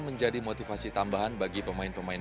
menjadi motivasi tambahan bagi pemain pemain